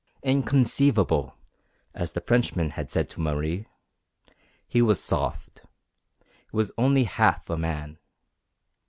Inconceivable, as the Frenchman had said to Marie. He was soft. He was only half a man.